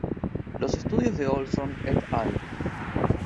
Los estudios de Ohlson "et al".